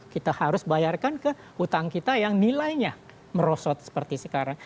kita harus bayarkan ke hutang kita yang nilainya merosot seperti sekarang